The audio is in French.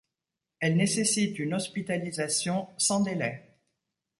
Elle nécessite une hospitalisation sans délai.